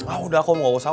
ah udah kum nggak usah